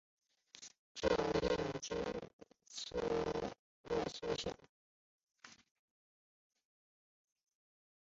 这令聚落缩小。